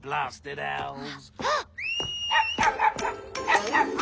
あっ！